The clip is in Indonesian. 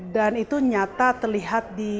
itu nyata terlihat di